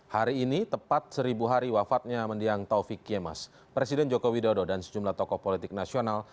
hari ini tepat seribu hari wafatnya mendiang taufik yemas presiden joko widodo dan sejumlah tokoh politik nasional